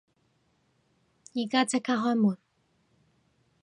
而家即刻開門！